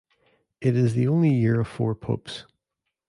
It is the only Year of Four Popes.